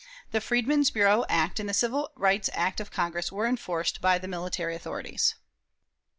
The Freedmen's Bureau Act and the Civil Rights Act of Congress were enforced by the military authorities.